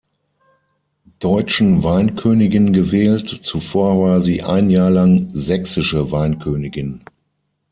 Deutschen Weinkönigin gewählt, zuvor war sie ein Jahr lang Sächsische Weinkönigin.